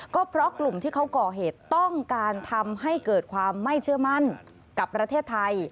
ก็เพราะกลุ่มที่เขาก่อเหตุต้องการทำให้เกิดความไม่เชื่อมั่นกับประเทศไทย